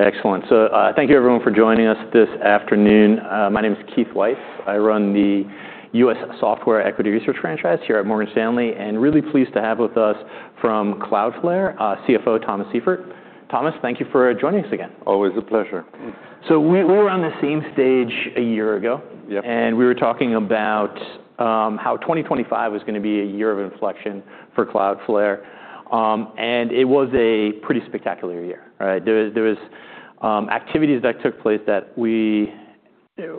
Excellent. Thank you everyone for joining us this afternoon. My name is Keith Weiss. I run the U.S. Software Equity Research franchise here at Morgan Stanley, and really pleased to have with us from Cloudflare, CFO Thomas Seifert. Thomas, thank you for joining us again. Always a pleasure. We were on the same stage a year ago. Yep. We were talking about how 2025 was gonna be a year of inflection for Cloudflare. It was a pretty spectacular year, right? There was activities that took place that we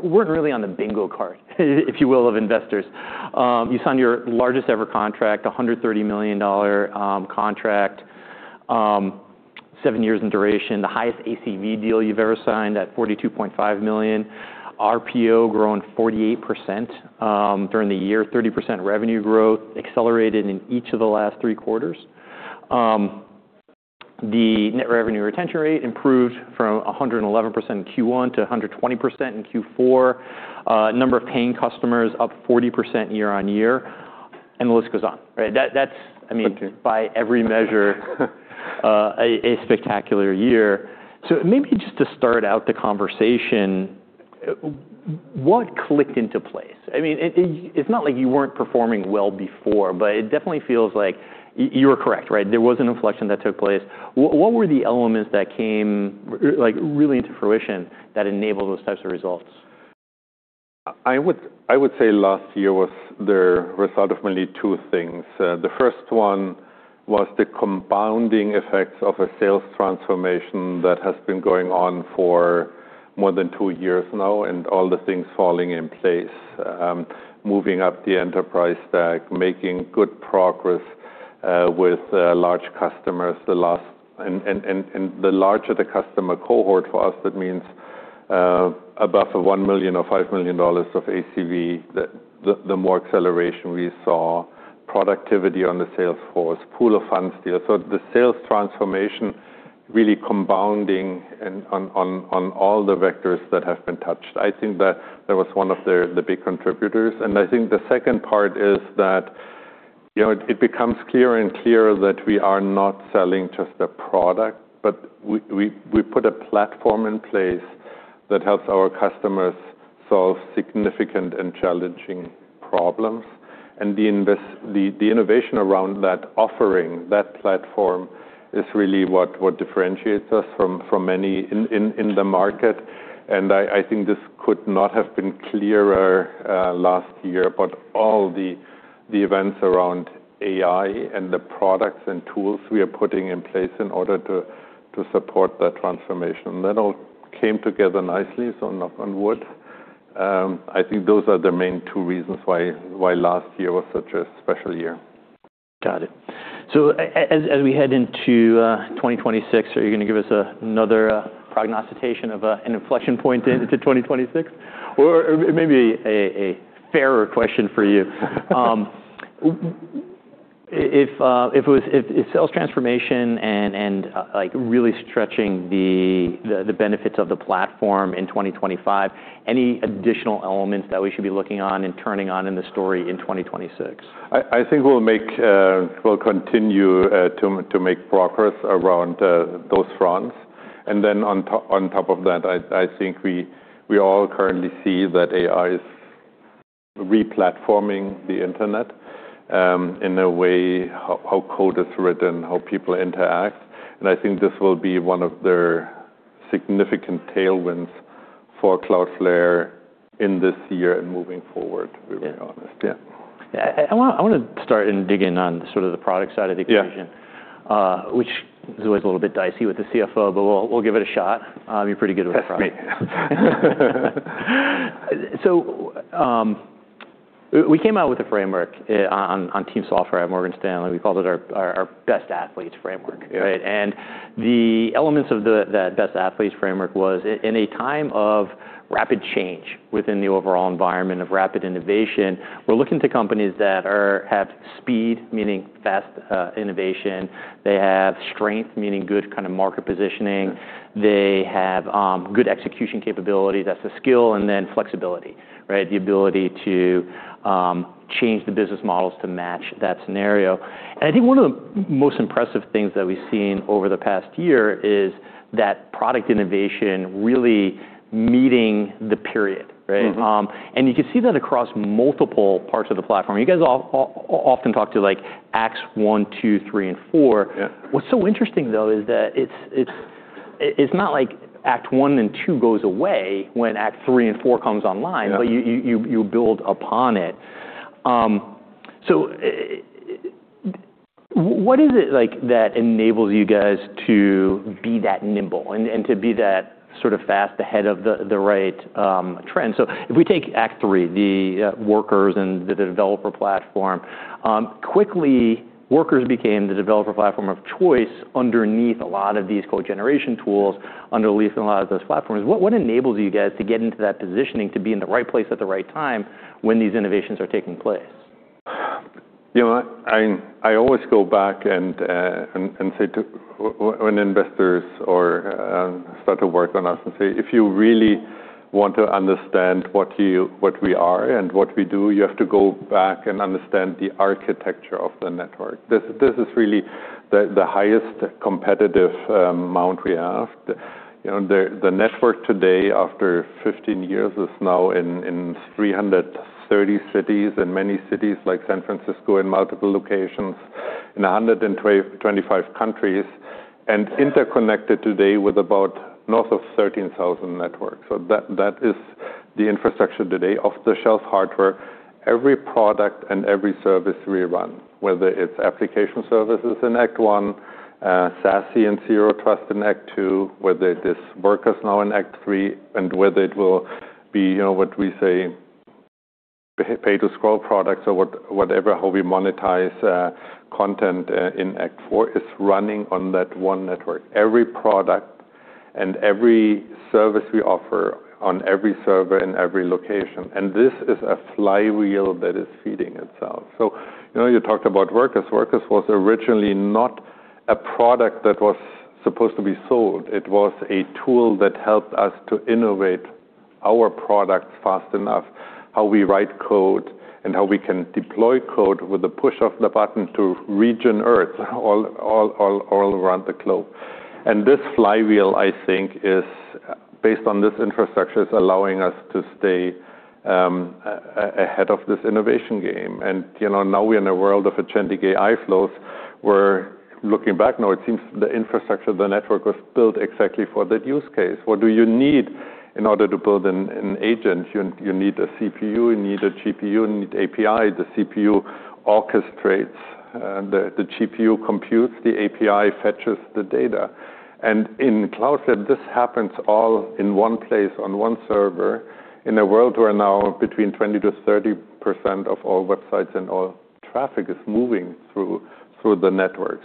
weren't really on the bingo card, if you will, of investors. You signed your largest ever contract, a $130 million contract, seven years in duration. The highest ACV deal you've ever signed at $42.5 million. RPO grown 48% during the year. 30% revenue growth accelerated in each of the last three quarters. The net revenue retention rate improved from 111% in Q1 to 120% in Q4. Number of paying customers up 40% year-over-year, and the list goes on, right? That's, I mean- Thank you.... by every measure, a spectacular year. Maybe just to start out the conversation, what clicked into place? I mean, it's not like you weren't performing well before, but it definitely feels like you were correct, right? There was an inflection that took place. What were the elements that came, like, really to fruition that enabled those types of results? I would say last year was the result of mainly two things. The first one was the compounding effects of a sales transformation that has been going on for more than two years now, and all the things falling in place. Moving up the enterprise stack, making good progress with large customers. The larger the customer cohort for us, that means above the $1 million or $5 million of ACV, the more acceleration we saw, productivity on the sales force, pool of funds deal. The sales transformation really compounding and on all the vectors that have been touched. I think that that was one of the big contributors. I think the second part is that, you know, it becomes clearer and clearer that we are not selling just a product, but we put a platform in place that helps our customers solve significant and challenging problems. The innovation around that offering, that platform is really what differentiates us from many in the market. I think this could not have been clearer last year. All the events around AI and the products and tools we are putting in place in order to support that transformation. That all came together nicely, knock on wood. I think those are the main two reasons why last year was such a special year. Got it. As we head into 2026, are you gonna give us another prognostication of an inflection point into 2026? Maybe a fairer question for you. If it's sales transformation and like really stretching the benefits of the platform in 2025, any additional elements that we should be looking on and turning on in the story in 2026? I think we'll make, we'll continue to make progress around those fronts. Then on top of that, I think we all currently see that AI is re-platforming the internet, in a way, how code is written, how people interact, and I think this will be one of their significant tailwinds for Cloudflare in this year and moving forward, to be really honest. Yeah. Yeah. I wanna start and dig in on sort of the product side of the equation. Yeah Which is always a little bit dicey with the CFO, but we'll give it a shot. I'll be pretty good with the product. Trust me. We came out with a framework on team software at Morgan Stanley. We called it our Best Athlete framework, right? The elements of that Best Athlete framework was in a time of rapid change within the overall environment of rapid innovation, we're looking to companies that have speed, meaning fast innovation. They have strength, meaning good kind of market positioning. They have good execution capability. That's a skill. Flexibility, right? The ability to change the business models to match that scenario. I think one of the most impressive things that we've seen over the past year is that product innovation really meeting the period, right? Mm-hmm. You can see that across multiple parts of the platform. You guys often talk to like Act 1, Act 2, Act 3, and Act 4. Yeah. What's so interesting, though, is that it's not like Act 1 and Act 2 goes away when Act 3 and Act 4 comes online. Yeah. You build upon it. What is it, like, that enables you guys to be that nimble and to be that sort of fast ahead of the right trend? If we take Act 3, the Workers and the Developer Platform, quickly Workers became the Developer Platform of choice underneath a lot of these code generation tools, underneath a lot of those platforms. What enables you guys to get into that positioning to be in the right place at the right time when these innovations are taking place? You know what? I always go back and say when investors start to work on us and say, "If you really want to understand what we are and what we do, you have to go back and understand the architecture of the network." This is really the highest competitive amount we have. You know, the network today, after 15 years, is now in 330 cities, in many cities like San Francisco, in multiple locations, in 125 countries, and interconnected today with about north of 13,000 networks. That is the infrastructure today off-the-shelf hardware. Every product and every service we run, whether it's application services in Act 1, SASE and Zero Trust in Act 2, whether it is Workers now in Act 3, whether it will be, you know, what we say, pay to scroll products or whatever, how we monetize content in Act 4, is running on that one network. Every product and every service we offer on every server in every location. This is a flywheel that is feeding itself. You know, you talked about Workers. Workers was originally not a product that was supposed to be sold. It was a tool that helped us to innovate our products fast enough, how we write code, and how we can deploy code with the push of the button to region Earth all around the globe. This flywheel, I think, is, based on this infrastructure, is allowing us to stay ahead of this innovation game. You know, now we're in a world of agentic AI flows, we're looking back now, it seems the infrastructure of the network was built exactly for that use case. What do you need in order to build an agent? You need a CPU, you need a GPU, you need API. The CPU orchestrates, the GPU computes, the API fetches the data. In Cloudflare, this happens all in one place on one server. In a world where now between 20%-30% of all websites and all traffic is moving through the network.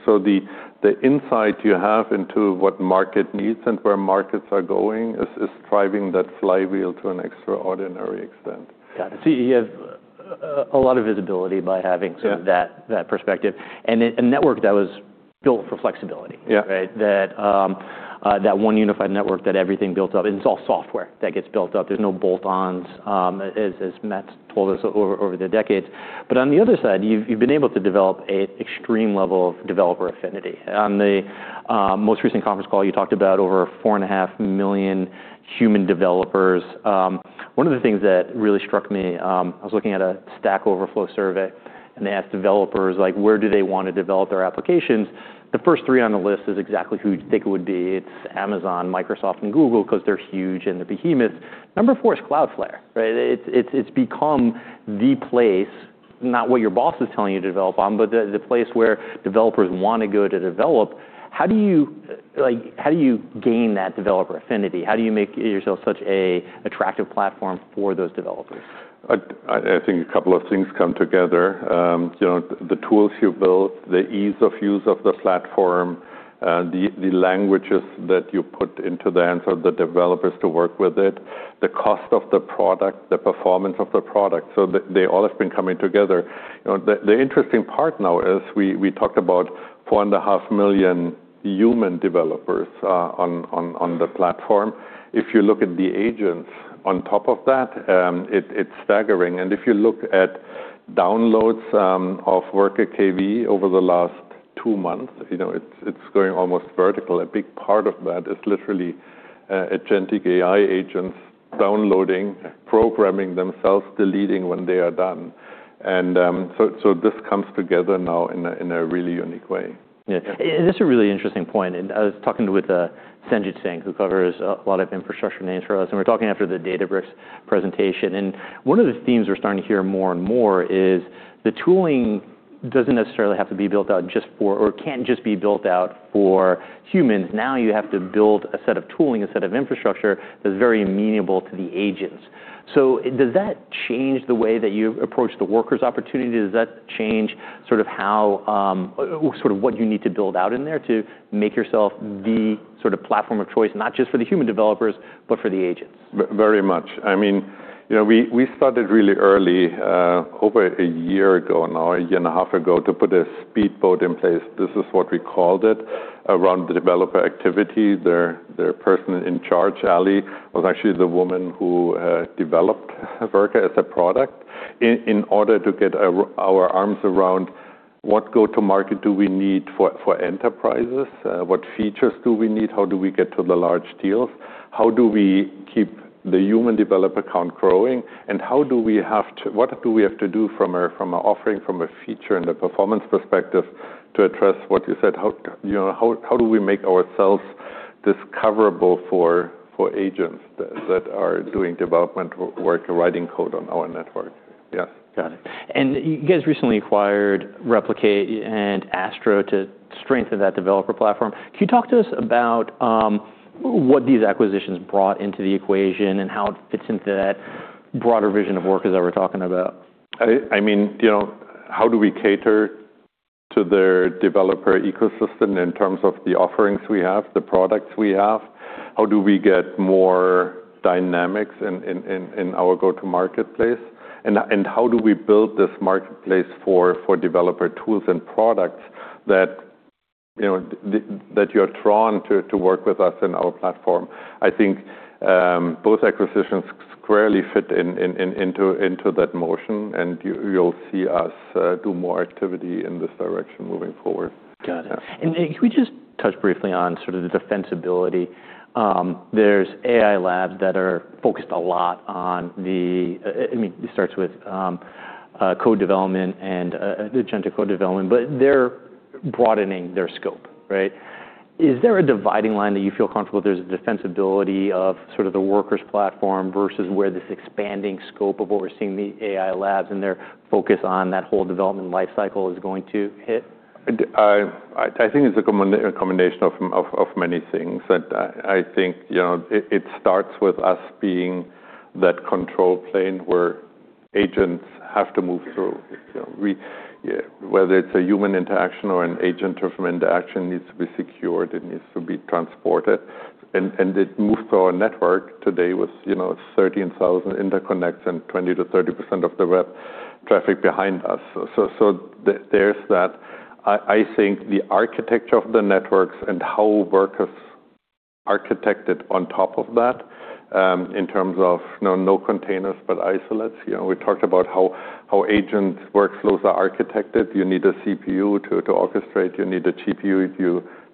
The insight you have into what market needs and where markets are going is driving that flywheel to an extraordinary extent. Got it. You have a lot of visibility by having- Yeah... sort of that perspective. A network that was built for flexibility. Yeah. Right? That, that one unified network that everything builds up, and it's all software that gets built up. There's no bolt-ons, as Matt's told us over the decades. On the other side, you've been able to develop a extreme level of developer affinity. On the most recent conference call, you talked about over four and a half million human developers. One of the things that really struck me, I was looking at a Stack Overflow survey, and they asked developers, like, where do they want to develop their applications? The first three on the list is exactly who you'd think it would be. It's Amazon, Microsoft, and Google, because they're huge and the behemoths. Number four is Cloudflare, right? It's become the place, not what your boss is telling you to develop on, but the place where developers want to go to develop. How do you, like, how do you gain that developer affinity? How do you make yourself such an attractive platform for those developers? I think a couple of things come together. You know, the tools you build, the ease of use of the platform, the languages that you put into the hands of the developers to work with it, the cost of the product, the performance of the product. They all have been coming together. You know, the interesting part now is we talked about 4.5 million human developers on the platform. If you look at the agents on top of that, it's staggering. If you look at downloads of Workers KV over the last 2 months, you know, it's growing almost vertical. A big part of that is literally agentic AI agents downloading, programming themselves, deleting when they are done. This comes together now in a really unique way. Yeah. It's a really interesting point. I was talking with Sanjit Singh, who covers a lot of infrastructure names for us, and we're talking after the Databricks presentation. One of the themes we're starting to hear more and more is the tooling doesn't necessarily have to be built out just for, or can't just be built out for humans. Now you have to build a set of tooling, a set of infrastructure that's very amenable to the agents. Does that change the way that you approach the Workers opportunity? Does that change sort of how, or sort of what you need to build out in there to make yourself the sort of platform of choice, not just for the human developers, but for the agents? Very much. I mean, you know, we started really early, over a year ago now, a year and a half ago, to put a speedboat in place. This is what we called it around the developer activity. Their person in charge, Ally, was actually the woman who developed Worker as a product in order to get our arms around what go-to-market do we need for enterprises? What features do we need? How do we get to the large deals? How do we keep the human developer count growing? What do we have to do from a offering, from a feature, and a performance perspective to address what you said? How, you know, how do we make ourselves discoverable for agents that are doing development work, writing code on our network? Yes. Got it. You guys recently acquired Replicate and Astro to strengthen that Developer Platform. Can you talk to us about what these acquisitions brought into the equation and how it fits into that broader vision of Workers that we're talking about? I mean, you know, how do we cater to their developer ecosystem in terms of the offerings we have, the products we have? How do we get more dynamics in our go-to-market place? How do we build this marketplace for developer tools and products, you know, that you're drawn to work with us in our platform. I think, both acquisitions squarely fit into that motion, and you'll see us do more activity in this direction moving forward. Got it. Yeah. Can we just touch briefly on sort of the defensibility? There's AI labs that are focused a lot on the code development and the agentic code development, but they're broadening their scope, right? Is there a dividing line that you feel comfortable there's a defensibility of sort of the Workers Platform versus where this expanding scope of what we're seeing the AI labs and their focus on that whole development life cycle is going to hit? I think it's a combination of many things, that I think, you know, it starts with us being that control plane where agents have to move through. You know, whether it's a human interaction or an agent of interaction needs to be secured, it needs to be transported. It moves to our network today with, you know, 13,000 interconnects and 20%-30% of the web traffic behind us. There's that. I think the architecture of the networks and how Workers architected on top of that, in terms of no containers, but isolates. You know, we talked about how agent workflows are architected. You need a CPU to orchestrate. You need a GPU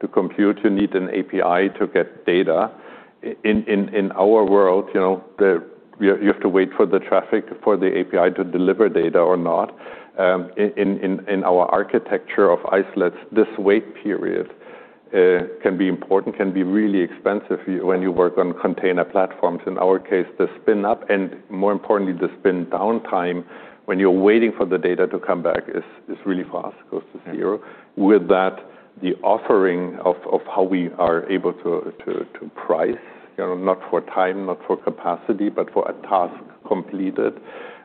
to compute. You need an API to get data. In our world, you know, you have to wait for the traffic for the API to deliver data or not. In our architecture of isolates, this wait period can be important, can be really expensive when you work on container platforms. In our case, the spin up, and more importantly, the spin downtime when you're waiting for the data to come back is really fast, goes to zero. With that, the offering of how we are able to price, you know, not for time, not for capacity, but for a task completed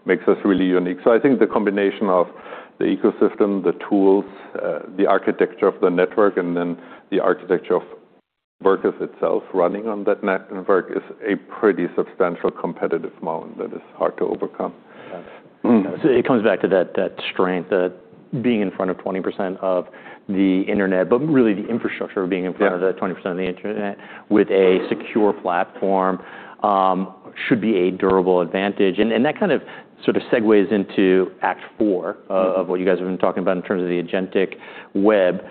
makes us really unique. I think the combination of the ecosystem, the tools, the architecture of the network, and then the architecture of Workers itself running on that network is a pretty substantial competitive moat that is hard to overcome. Got it. Mm-hmm. It comes back to that strength, that being in front of 20% of the internet, but really the infrastructure being in front. Yeah... of that 20% of the internet with a secure platform, should be a durable advantage. That kind of sort of segues into Act 4. Mm-hmm of what you guys have been talking about in terms of the agentic web.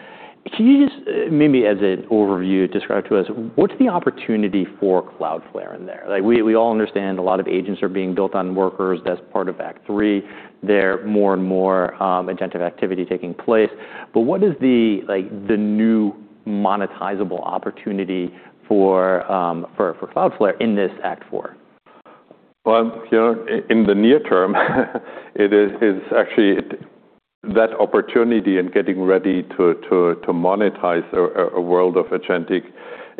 Can you just maybe as an overview describe to us what's the opportunity for Cloudflare in there? Like, we all understand a lot of agents are being built on Workers. That's part of Act 3. They're more and more, agentic activity taking place. What is the, like, the new monetizable opportunity for Cloudflare in this Act 4? Well, you know, in the near term, it's actually that opportunity and getting ready to monetize a world of agentic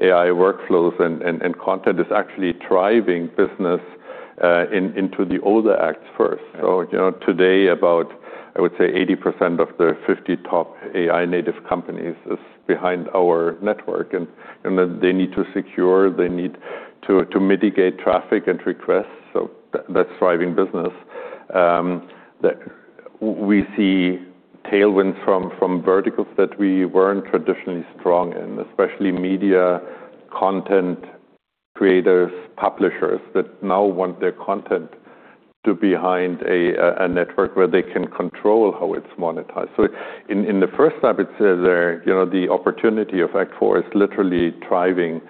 AI workflows and content is actually driving business into the older acts first. You know, today about, I would say 80% of the 50 top AI native companies is behind our network and they need to secure, they need to mitigate traffic and requests. That's driving business. We see tailwind from verticals that we weren't traditionally strong in, especially media content creators, publishers that now want their content to behind a network where they can control how it's monetized. In the first step, it's, you know, the opportunity of Act 4 is literally driving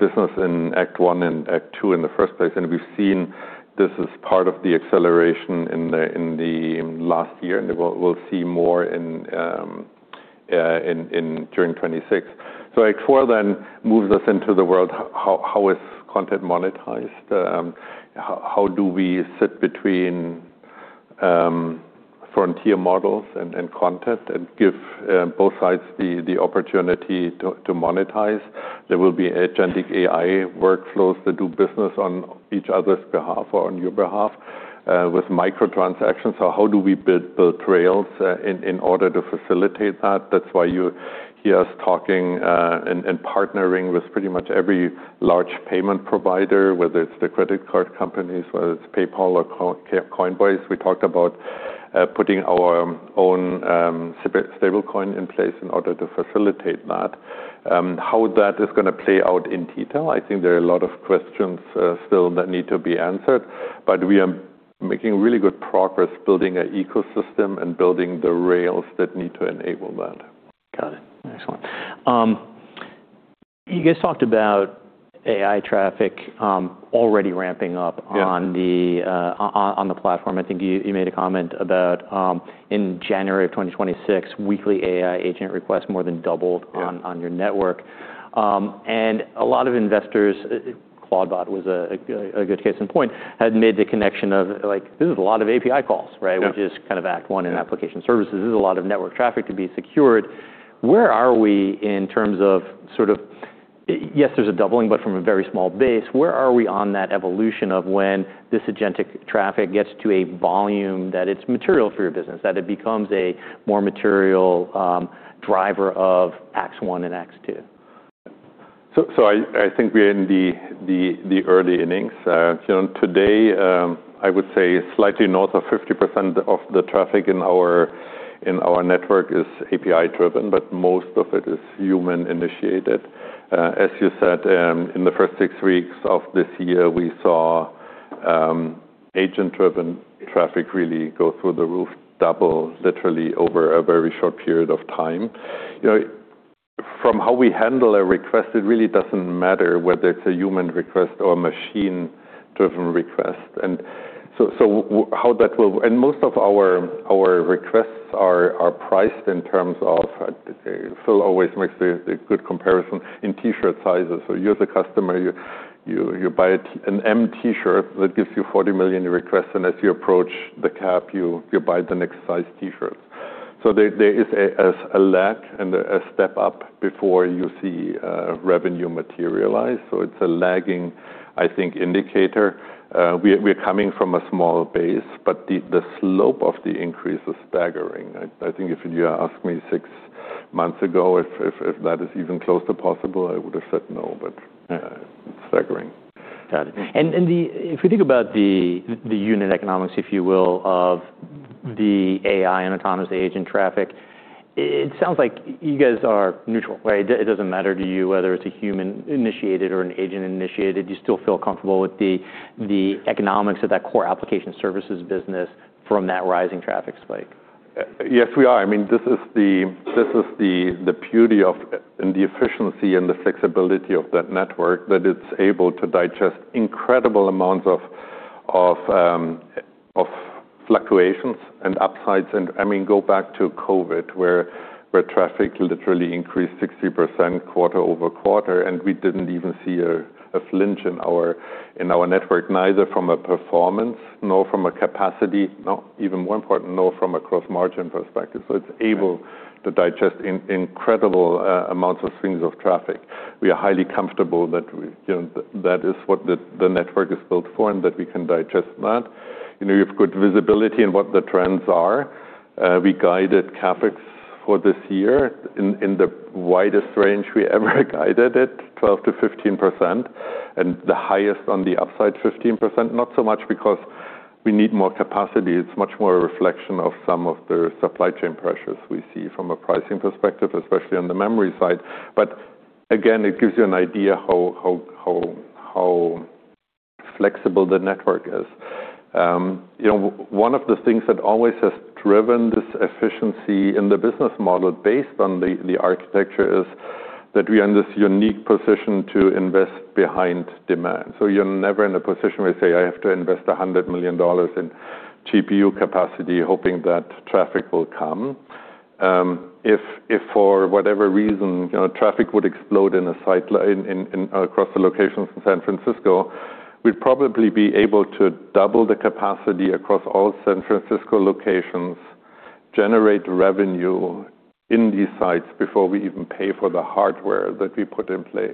business in Act 1 and Act 2 in the first place. We've seen this as part of the acceleration in the last year, and we'll see more in 26. Act 4 moves us into the world, how is content monetized? How do we sit between frontier models and content and give both sides the opportunity to monetize? There will be agentic AI workflows that do business on each other's behalf or on your behalf with microtransactions. How do we build the trails in order to facilitate that? That's why you hear us talking and partnering with pretty much every large payment provider, whether it's the credit card companies, whether it's PayPal or Coinbase. We talked about putting our own stablecoin in place in order to facilitate that. How that is gonna play out in detail, I think there are a lot of questions still that need to be answered. We are making really good progress building an ecosystem and building the rails that need to enable that. Got it. Excellent. You guys talked about AI traffic, already ramping up- Yeah... on the platform. I think you made a comment about in January of 2026, weekly AI agent requests more than doubled- Yeah on your network. A lot of investors, Claude bot was a good case in point, had made the connection of, like, this is a lot of API calls, right? Yeah. Which is kind of Act 1 in application services. This is a lot of network traffic to be secured. Where are we in terms of sort of yes, there's a doubling, but from a very small base, where are we on that evolution of when this agentic traffic gets to a volume that it's material for your business, that it becomes a more material driver of Act 1 and Act 2? I think we're in the early innings. You know, today, I would say slightly north of 50% of the traffic in our network is API-driven, but most of it is human-initiated. As you said, in the first six weeks of this year, we saw agent-driven traffic really go through the roof, double literally over a very short period of time. You know, from how we handle a request, it really doesn't matter whether it's a human request or a machine-driven request. Most of our requests are priced in terms of, Phil always makes a good comparison in T-shirt sizes. You're the customer, you buy an M T-shirt that gives you 40 million requests, and as you approach the cap, you buy the next size T-shirt. There is a lag and a step up before you see revenue materialize. It's a lagging, I think, indicator. We're coming from a small base, but the slope of the increase is staggering. I think if you asked me six months ago if that is even close to possible, I would have said no, but staggering. Got it. If we think about the unit economics, if you will, of the AI and autonomous agent traffic, it sounds like you guys are neutral, right? It doesn't matter to you whether it's a human-initiated or an agent-initiated. You still feel comfortable with the economics of that core application services business from that rising traffic spike. Yes, we are. I mean, this is the beauty of and the efficiency and the flexibility of that network, that it's able to digest incredible amounts of fluctuations and upsides. I mean, go back to COVID, where traffic literally increased 60% quarter-over-quarter, and we didn't even see a flinch in our network, neither from a performance nor from a capacity. Now, even more important, nor from a gross margin perspective. It's able to digest incredible amounts of swings of traffic. We are highly comfortable that you know, that is what the network is built for and that we can digest that. You know, you've got visibility in what the trends are. We guided CapEx for this year in the widest range we ever guided it, 12%-15%, and the highest on the upside, 15%, not so much because we need more capacity. It's much more a reflection of some of the supply chain pressures we see from a pricing perspective, especially on the memory side. But again, it gives you an idea how flexible the network is. You know, one of the things that always has driven this efficiency in the business model based on the architecture is that we're in this unique position to invest behind demand. You're never in a position where you say, "I have to invest $100 million in GPU capacity hoping that traffic will come." If for whatever reason, you know, traffic would explode in a site in, across the locations in San Francisco, we'd probably be able to double the capacity across all San Francisco locations, generate revenue in these sites before we even pay for the hardware that we put in place.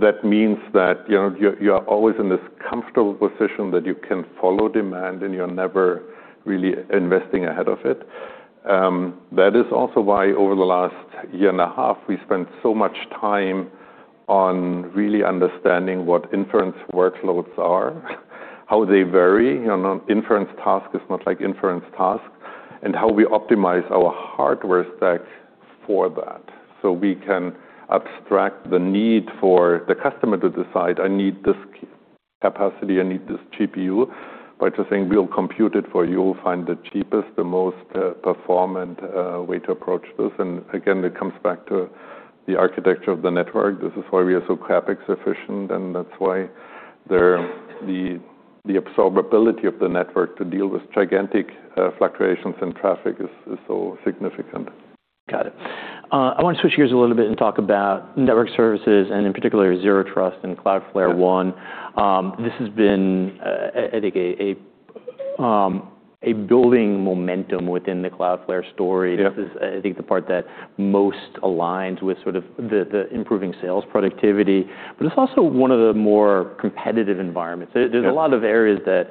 That means that, you know, you're always in this comfortable position that you can follow demand and you're never really investing ahead of it. That is also why over the last year and a half, we spent so much time on really understanding what inference workloads are, how they vary. You know, inference task is not like inference task. How we optimize our hardware stack for that? We can abstract the need for the customer to decide, "I need this capacity, I need this GPU," but to say, "We'll compute it for you. We'll find the cheapest, the most performant way to approach this." Again, it comes back to the architecture of the network. This is why we are so CapEx-efficient, and that's why the absorbability of the network to deal with gigantic fluctuations in traffic is so significant. Got it. I wanna switch gears a little bit and talk about network services, and in particular, Zero Trust and Cloudflare One. This has been, I think a building momentum within the Cloudflare story. Yeah. This is, I think, the part that most aligns with sort of the improving sales productivity, but it's also one of the more competitive environments. There's a lot of areas that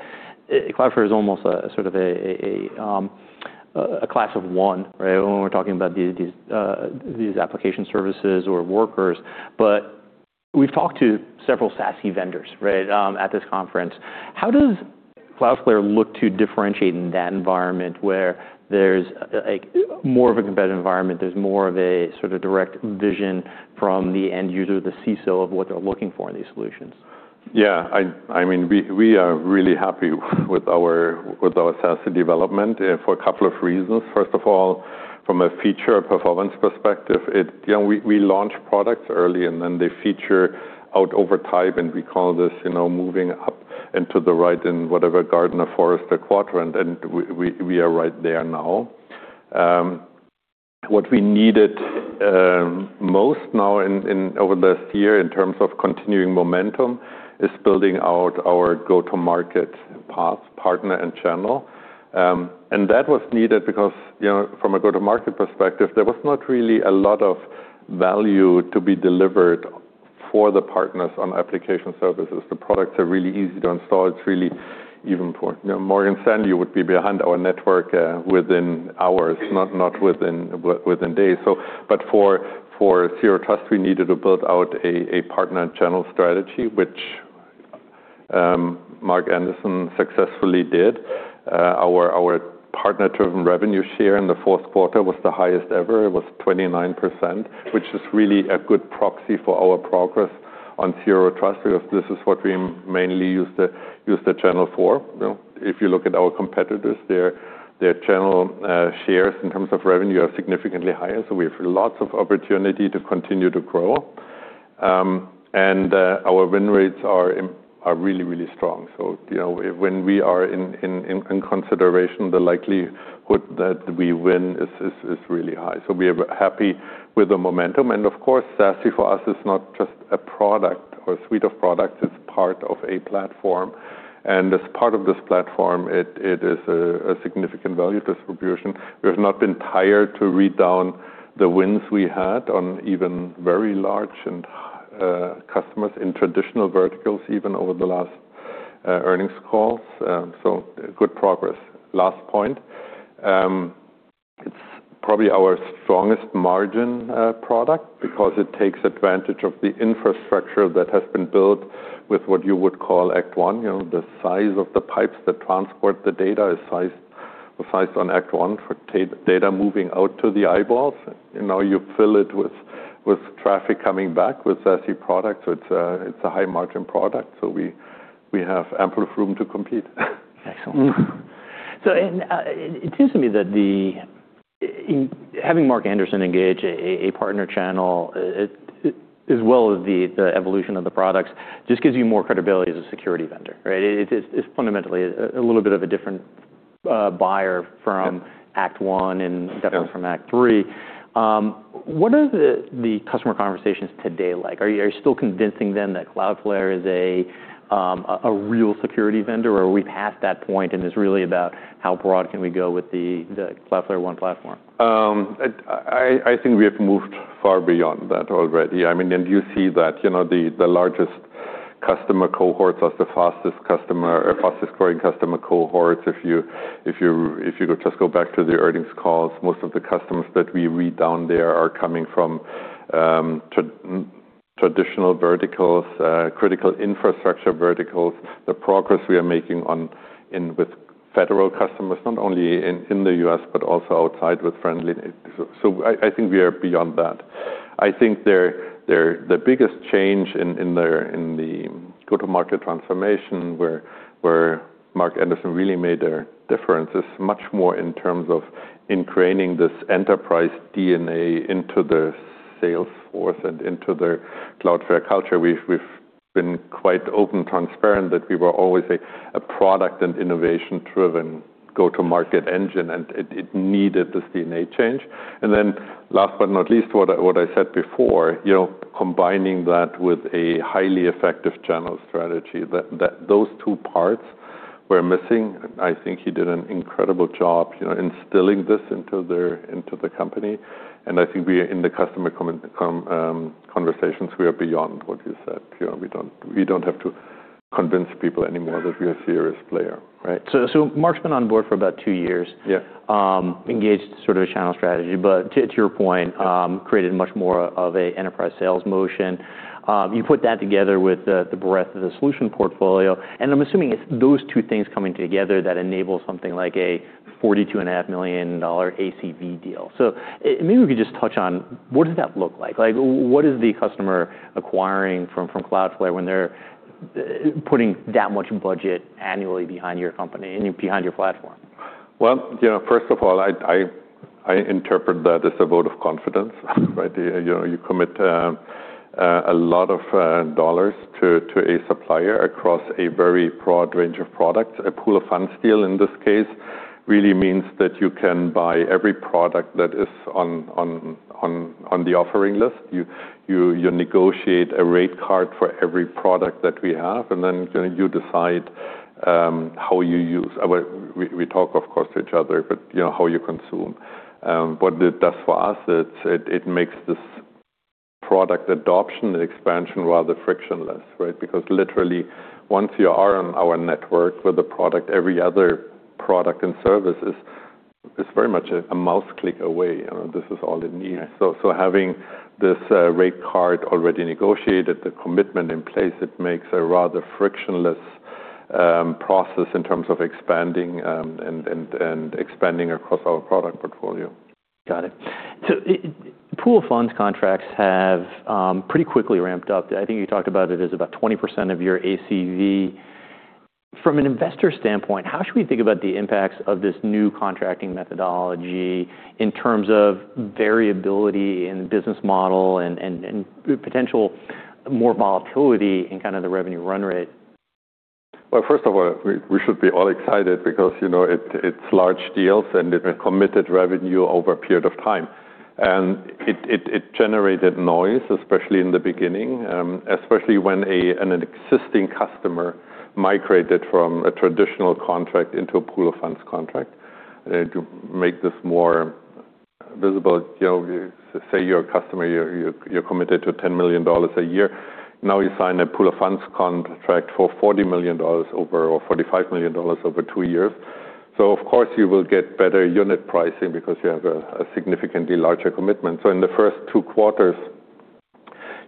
Cloudflare is almost a sort of a class of one, right? When we're talking about these application services or Workers. We've talked to several SASE vendors, right, at this conference. How does Cloudflare look to differentiate in that environment where there's, like, more of a competitive environment, there's more of a sort of direct vision from the end user, the CISO, of what they're looking for in these solutions? Yeah. I mean, we are really happy with our SASE development for a couple of reasons. First of all, from a feature performance perspective. You know, we launch products early, and then they feature out over time, and we call this, you know, moving up into the right in whatever Gartner, Forrester quadrant, and we are right there now. What we needed most now over this year in terms of continuing momentum is building out our go-to-market path, partner and channel. That was needed because, you know, from a go-to-market perspective, there was not really a lot of value to be delivered on for the partners on application services, the products are really easy to install. It's really even for, you know, Morgan Stanley would be behind our network within hours, not within days. For Zero Trust, we needed to build out a partner channel strategy, which Mark Anderson successfully did. Our partner-driven revenue share in the fourth quarter was the highest ever. It was 29%, which is really a good proxy for our progress on Zero Trust, because this is what we mainly use the channel for. You know, if you look at our competitors, their channel shares in terms of revenue are significantly higher. We have lots of opportunity to continue to grow. Our win rates are really strong. You know, when we are in consideration, the likelihood that we win is really high. We are happy with the momentum. Of course, SASE for us is not just a product or a suite of products, it's part of a platform. As part of this platform, it is a significant value distribution. We have not been tired to read down the wins we had on even very large and customers in traditional verticals, even over the last earnings calls. Good progress. Last point, it's probably our strongest margin product because it takes advantage of the infrastructure that has been built with what you would call Act 1. You know, the size of the pipes that transport the data is sized on Act 1 for data moving out to the eyeballs. You know, you fill it with traffic coming back with SASE products. It's a high margin product, so we have ample of room to compete. Excellent. It seems to me that in having Mark Anderson engage a partner channel, as well as the evolution of the products, just gives you more credibility as a security vendor, right? It is fundamentally a little bit of a different buyer from Act 1 and definitely from Act 3. What are the customer conversations today like? Are you still convincing them that Cloudflare is a real security vendor, or are we past that point and it's really about how broad can we go with the Cloudflare One platform? I think we have moved far beyond that already. I mean, you know, the largest customer cohorts are the fastest growing customer cohorts. If you, if you, if you just go back to the earnings calls, most of the customers that we read down there are coming from traditional verticals, critical infrastructure verticals. The progress we are making on in with federal customers, not only in the U.S., but also outside with friendly. I think we are beyond that. I think their, the biggest change in their, in the go-to-market transformation, where Mark Anderson really made a difference, is much more in terms of ingraining this enterprise DNA into the sales force and into the Cloudflare culture. We've been quite open, transparent that we were always a product and innovation-driven go-to-market engine, and it needed this DNA change. Last but not least, what I said before, you know, combining that with a highly effective channel strategy. Those two parts were missing. I think he did an incredible job, you know, instilling this into the company. I think we are in the customer conversations, we are beyond what you said. You know, we don't have to convince people anymore that we're a serious player, right? Mark's been on board for about two years. Yeah. Engaged sort of a channel strategy, but to your point, created much more of a enterprise sales motion. You put that together with the breadth of the solution portfolio, and I'm assuming it's those two things coming together that enable something like a $42.5 million ACV deal. Maybe we could just touch on what does that look like? Like what is the customer acquiring from Cloudflare when they're putting that much budget annually behind your company and behind your platform? Well, you know, first of all, I interpret that as a vote of confidence, right? You know, you commit a lot of dollars to a supplier across a very broad range of products. A pool of funds deal, in this case, really means that you can buy every product that is on the offering list. You negotiate a rate card for every product that we have, and then you decide how you use. Well, we talk of course to each other, but you know, how you consume. What it does for us, it makes this product adoption and expansion rather frictionless, right? Literally once you are on our network with a product, every other product and service is very much a mouse click away. You know, this is all it needs. Yeah. Having this rate card already negotiated, the commitment in place, it makes a rather frictionless process in terms of expanding and expanding across our product portfolio. Got it. Pool funds contracts have pretty quickly ramped up. I think you talked about it as about 20% of your ACV. From an investor standpoint, how should we think about the impacts of this new contracting methodology in terms of variability in business model and, and potential more volatility in kind of the revenue run rate? Well, first of all, we should be all excited because, you know, it's large deals and a committed revenue over a period of time. It generated noise, especially in the beginning, especially when an existing customer migrated from a traditional contract into a pool of funds contract. To make this more visible, you know, say you're a customer, you're committed to $10 million a year. Now you sign a pool of funds contract for $40 million over, or $45 million over two years. Of course, you will get better unit pricing because you have a significantly larger commitment. In the first two quarters,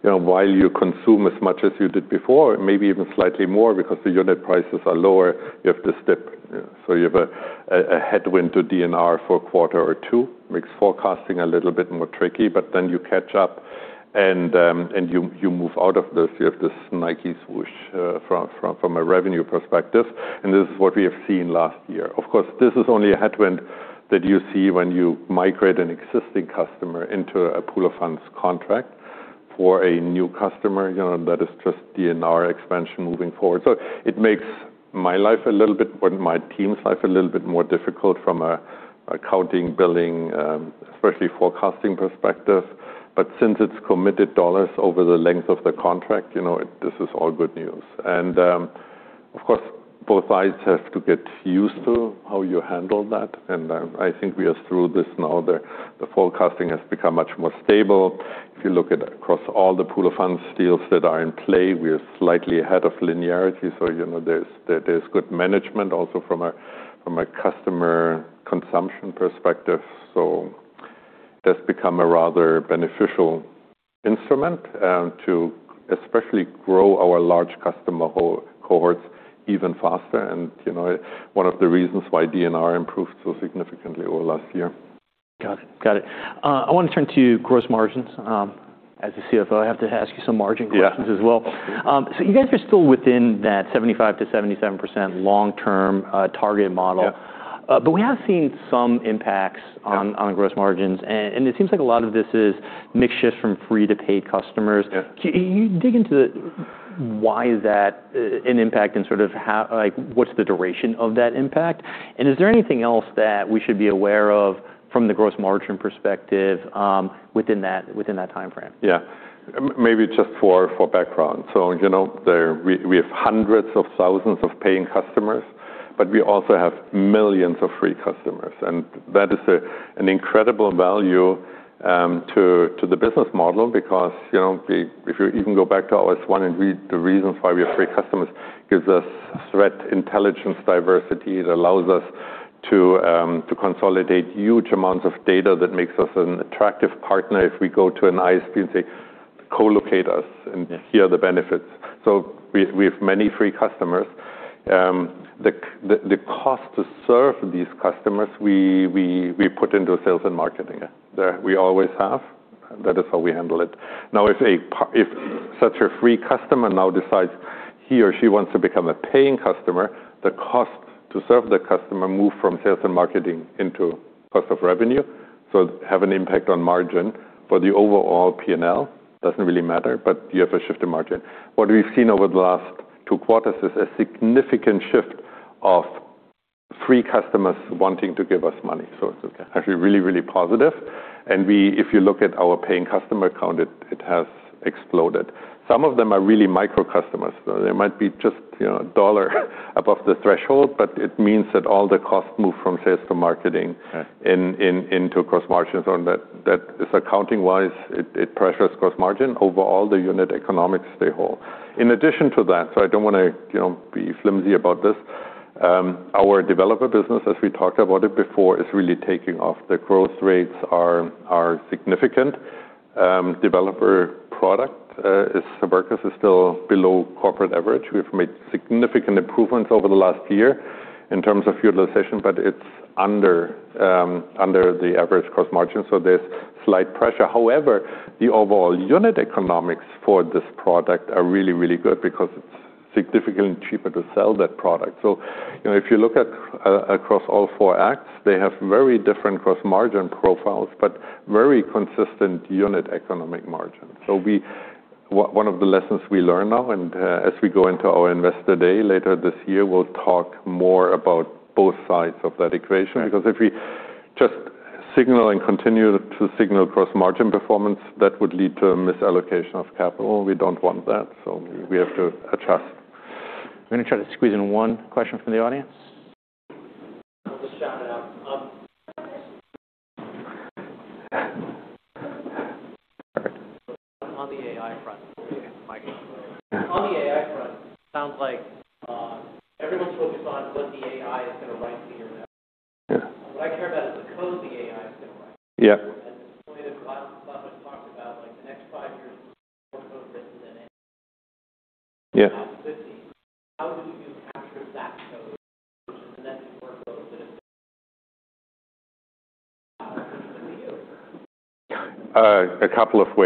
you know, while you consume as much as you did before, maybe even slightly more because the unit prices are lower, you have to step. You have a headwind to DNR for a quarter or two, makes forecasting a little bit more tricky. You catch up and you move out of this, you have this Nike swoosh from a revenue perspective, and this is what we have seen last year. Of course, this is only a headwind that you see when you migrate an existing customer into a pool of funds contract. For a new customer, you know, that is just DNR expansion moving forward. It makes my life a little bit, or my team's life a little bit more difficult from an accounting, billing, especially forecasting perspective. Since it's committed dollars over the length of the contract, you know, this is all good news. Of course, both sides have to get used to how you handle that, and I think we are through this now. The forecasting has become much more stable. If you look at across all the pool of funds deals that are in play, we are slightly ahead of linearity. you know, there is good management also from a customer consumption perspective. That's become a rather beneficial instrument to especially grow our large customer cohorts even faster. you know, one of the reasons why DNR improved so significantly over last year. Got it. Got it. I want to turn to gross margins. As a CFO, I have to ask you some margin questions as well. Yeah. You guys are still within that 75%-77% long-term target model. Yeah. We have seen some impacts- Yeah... on gross margins, and it seems like a lot of this is mix shift from free to paid customers. Yeah. Can you dig into why is that an impact and sort of like, what's the duration of that impact? Is there anything else that we should be aware of from the gross margin perspective, within that, within that time frame? Yeah. Maybe just for background. You know, we have hundreds of thousands of paying customers, we also have millions of free customers. That is an incredible value, to the business model because, you know, if you even go back to Act 1 and read the reasons why we have free customers, gives us threat intelligence diversity. It allows us to consolidate huge amounts of data that makes us an attractive partner if we go to an ISP and say, "Colocate us, and here are the benefits." We have many free customers. The cost to serve these customers, we put into sales and marketing. We always have. That is how we handle it. If such a free customer now decides he or she wants to become a paying customer, the cost to serve the customer move from sales and marketing into cost of revenue, so have an impact on margin. For the overall P&L, doesn't really matter, but you have a shift in margin. What we've seen over the last two quarters is a significant shift of free customers wanting to give us money. It's actually really, really positive. If you look at our paying customer count, it has exploded. Some of them are really micro customers. They might be just, you know, $1 above the threshold, but it means that all the costs move from sales to marketing- Right... into cross margins on that. That is accounting-wise, it pressures cross margin. Overall, the unit economics, they hold. In addition to that, I don't wanna, you know, be flimsy about this, our developer business, as we talked about it before, is really taking off. The growth rates are significant. Developer product, for Workers, is still below corporate average. We've made significant improvements over the last year in terms of utilization, but it's under the average cost margin, so there's slight pressure. However, the overall unit economics for this product are really, really good because it's significantly cheaper to sell that product. You know, if you look across all four X, they have very different cost margin profiles, but very consistent unit economic margin. One of the lessons we learn now, and, as we go into our investor day later this year, we'll talk more about both sides of that equation. Right. If we just signal and continue to signal cross-margin performance, that will lead to a misallocation of capital. We don't want that, so we have to adjust. I'm gonna try to squeeze in one question from the audience. I'll just shout it out. Let me get the mic on. On the AI front, sounds like everyone's focused on what the AI is gonna write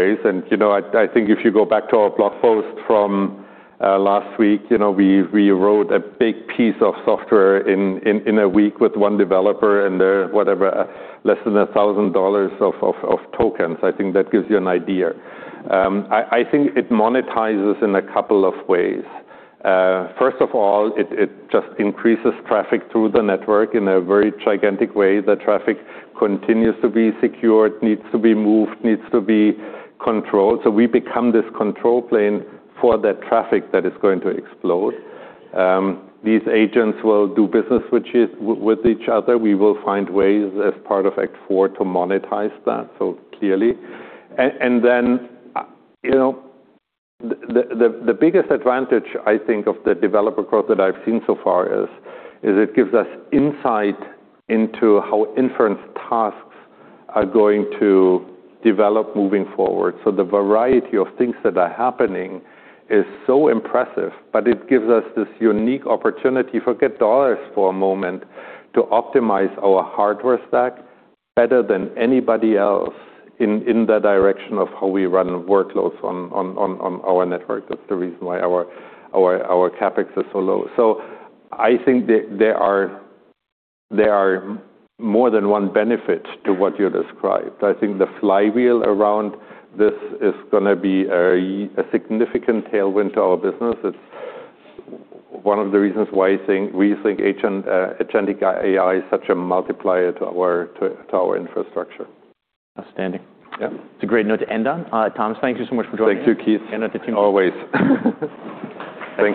for you now. Yeah. What I care about is the code the AI is gonna write- Yeah. ...pointed Cloudflare would talk about, like, the next five years more code written than any. Yeah. How do you capture that code, which is the next workload that is coming to you? A couple of ways. You know, I think if you go back to our blog post from last week, you know, we wrote a big piece of software in a week with one developer, and they're whatever, less than $1,000 of tokens. I think that gives you an idea. I think it monetizes in a couple of ways. First of all, it just increases traffic through the network in a very gigantic way. The traffic continues to be secured, needs to be moved, needs to be controlled, so we become this control plane for that traffic that is going to explode. These agents will do business switches with each other. We will find ways as part of Act 4 to monetize that, so clearly. Then, you know, the biggest advantage, I think, of the developer growth that I've seen so far is it gives us insight into how inference tasks are going to develop moving forward. The variety of things that are happening is so impressive, but it gives us this unique opportunity, forget dollars for a moment, to optimize our hardware stack better than anybody else in the direction of how we run workloads on our network. That's the reason why our CapEx is so low. I think there are more than one benefit to what you described. I think the flywheel around this is gonna be a significant tailwind to our business. It's one of the reasons why we think agent, agentic AI is such a multiplier to our infrastructure. Outstanding. Yeah. It's a great note to end on. Thomas, thank you so much for joining me. Thank you, Keith. The team. Always. Thank you.